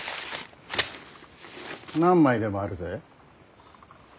何枚でもあるぜ。